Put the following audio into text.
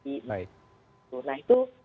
itu nah itu